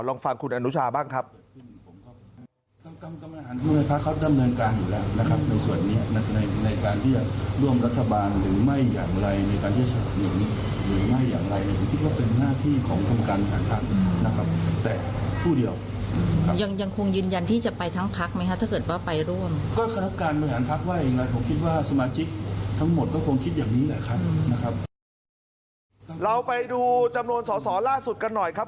ลองฟังคุณอนุชาบ้างครับ